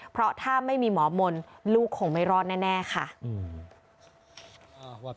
เพราะถ้าไม่มีหมอมนต์ลูกคงไม่รอดแน่ค่ะ